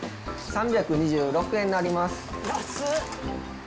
３２６円になります。